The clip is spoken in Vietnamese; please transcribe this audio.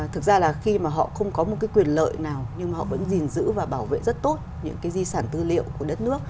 thực ra là khi mà họ không có một cái quyền lợi nào nhưng mà họ vẫn gìn giữ và bảo vệ rất tốt những cái di sản tư liệu của đất nước